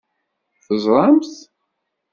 Teẓṛamt?